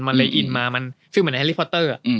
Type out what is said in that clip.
มันเลยอินมาฟิล์มเหมือนแฮลลี่พอตเตอร์อะ